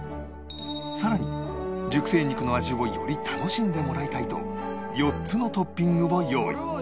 さらに熟成肉の味をより楽しんでもらいたいと４つのトッピングを用意